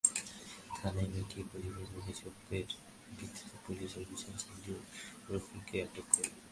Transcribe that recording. থানায় মেয়েটির পরিবারের অভিযোগের ভিত্তিতে পুলিশ অভিযান চালিয়ে রফিকুলকে আটক করে।